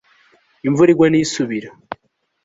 imvura igwa ni isubira